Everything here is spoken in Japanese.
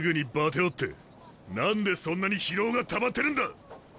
何でそんなに疲労がたまってるんだ！？